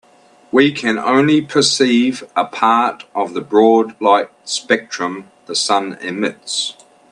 We can only perceive a part of the broad light spectrum the sun emits.